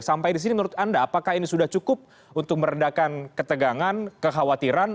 sampai di sini menurut anda apakah ini sudah cukup untuk meredakan ketegangan kekhawatiran